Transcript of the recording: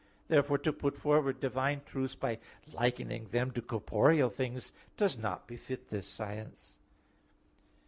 Therefore, to put forward divine truths by likening them to corporeal things does not befit this science.